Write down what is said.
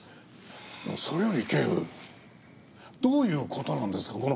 それより警部どういう事なんですか？